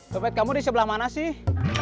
dopet kamu di sebelah mana sih